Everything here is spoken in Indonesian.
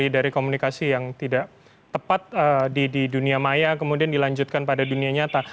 dari komunikasi yang tidak tepat di dunia maya kemudian dilanjutkan pada dunia nyata